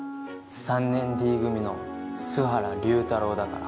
３年Ｄ組の栖原竜太郎だから。